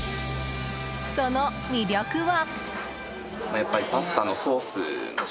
その魅力は。